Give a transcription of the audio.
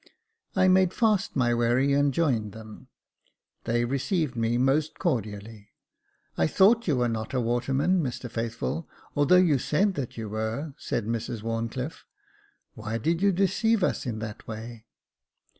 I made fast my wherry and joined them. They received me most cordially. " I thought you were not a waterman, Mr Faithful, although you said that you were," said Mrs Wharncliffe. Why did you deceive us in that way